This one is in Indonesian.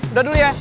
udah dulu ya